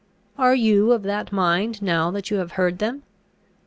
Are you of that mind now you have heard them?